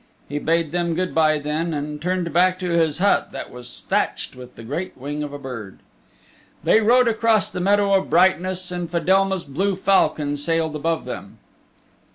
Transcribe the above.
He bade them good by then, and turned back to his hut that was thatched with the great wing of a bird. They rode across the Meadow of Brightness and Fedelma's blue falcon sailed above them.